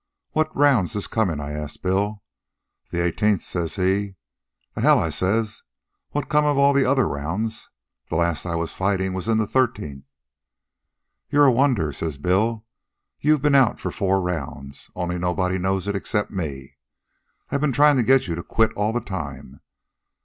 'What round's this comin'?' I ask Bill. 'The eighteenth,' says he. 'The hell,' I says. 'What's come of all the other rounds? The last I was fightin' in was the thirteenth.' 'You're a wonder,' says Bill. 'You've ben out four rounds, only nobody knows it except me. I've ben tryin' to get you to quit all the time.'